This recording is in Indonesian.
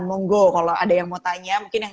monggo kalau ada yang mau tanya mungkin yang